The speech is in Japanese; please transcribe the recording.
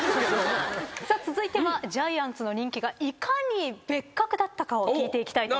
さあ続いてはジャイアンツの人気がいかに別格だったかを聞いていきたいと思います。